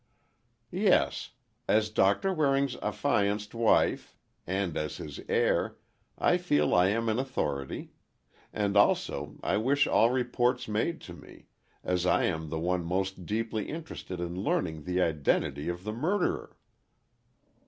"Yes; as Doctor Waring's affianced wife, and as his heir, I feel I am in authority. And also, I wish all reports made to me, as I am the one most deeply interested in learning the identity of the murderer."